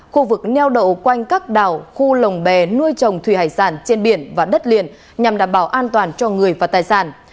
khu vực neo đậu quanh các đảo khu lồng bè nuôi trồng thủy hải sản trên biển và đất liền nhằm đảm bảo an toàn cho người và tài sản